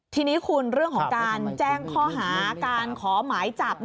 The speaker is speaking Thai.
ทีนี้คุณเรื่องของการแจ้งข้อหาการขอหมายจับ